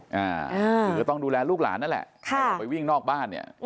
หรือว่าต้องดูแลลูกหลานนั่นแหละไปวิ่งนอกบ้านเนี่ย